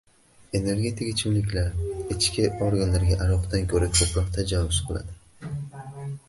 Energetik ichimliklar ichki organlarga aroqdan koʻra koʻproq tajovuz qiladi.